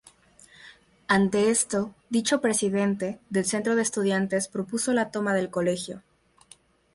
Ante esto, dicho presidente del centro de estudiantes propuso la toma del colegio.